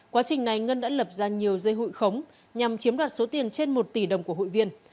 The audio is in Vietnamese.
quá trình này ngân đã lập ra nhiều dây hụi khống nhằm chiếm đoạt số tiền trên một tỷ đồng của hội viên